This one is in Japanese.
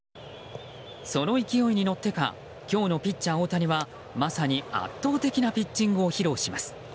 その勢いに乗ってか今日のピッチャー大谷はまさに圧倒的なピッチングを披露します。